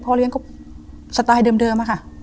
เลี้ยงก็สไตล์เดิมอะค่ะ